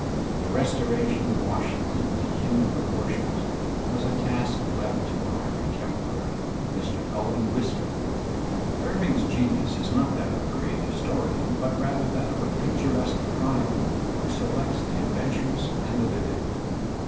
The restoration of Washington to human proportions was a task left to our contemporary, Mr. Owen Wister. Irving's genius is not that of a great historian but rather that of a picturesque chronicler who selects the adventurous and the vivid.